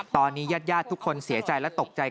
ตอนนี้ญาติทุกคนเสียใจและตกใจ